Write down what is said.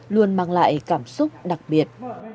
luôn mang lại cảm xúc đặc biệt